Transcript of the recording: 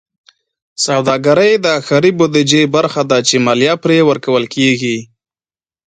سوداګرۍ د ښاري بودیجې برخه ده چې مالیه پرې ورکول کېږي.